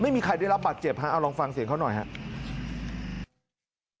ไม่มีใครได้รับบาดเจ็บฮะเอาลองฟังเสียงเขาหน่อยครับ